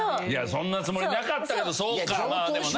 そんなつもりなかったけどそうかまあでもな。